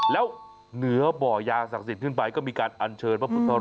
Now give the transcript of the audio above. แล้วเหนือบ่อยางศักดิ์สิทธิ์ขึ้นไปก็มีการอัญเชิญพระพุทธ